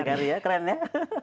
berdikari ya keren ya